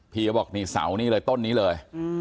พี่จะบอกนี่สาวนี้เลยต้นนี้เลย